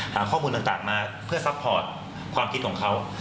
หาข้อมูลต่างมาเพื่อซัพพอร์ตความคิดของเขา